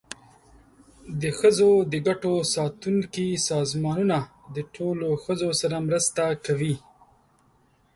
د ښځو د ګټو ساتونکي سازمانونه د ټولو ښځو سره مرسته کوي.